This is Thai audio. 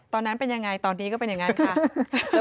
ตอนนั้นเป็นยังไงตอนนี้ก็เป็นอย่างนั้นค่ะ